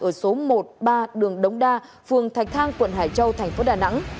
ở số một mươi ba đường đống đa phường thạch thang quận hải châu thành phố đà nẵng